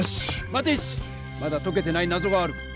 まだとけてないなぞがある。